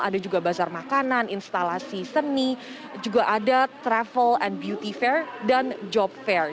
ada juga bazar makanan instalasi seni juga ada travel and beauty fair dan job fair